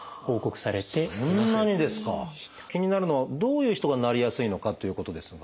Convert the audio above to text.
気になるのはどういう人がなりやすいのかということですが。